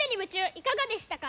いかがでしたか？